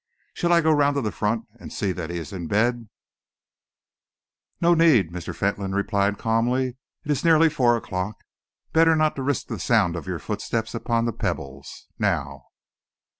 "Shall I go round to the front and see that he is in bed?" "No need," Mr. Fentolin replied calmly. "It is nearly four o'clock. Better not to risk the sound of your footsteps upon the pebbles. Now!"